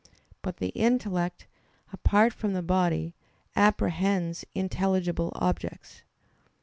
But the intellect, apart from the body, apprehends intelligible objects.